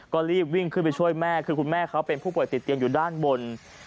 ก็รีบวิ่งขึ้นไปช่วยแม่คือคุณแม่เขาเป็นผู้ป่วยติดเตียงอยู่ด้านบน